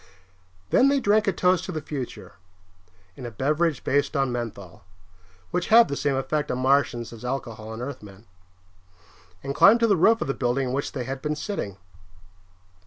Then they drank a toast to the future in a beverage based on menthol, which had the same effect on Martians as alcohol on Earthmen and climbed to the roof of the building in which they had been sitting.